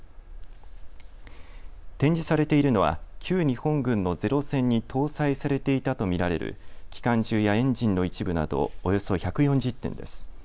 展示されているのは旧日本軍のゼロ戦に搭載されていたと見られる機関銃やエンジンの一部などおよそ１４０点です。